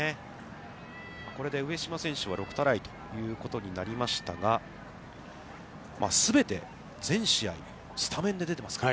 これで上嶋選手は６トライということになりましたが、全て、全試合スタメンで出ていますから。